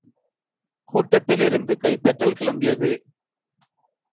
கூட்டத்திலிருந்து கைதட்டல் கிளம்பியது.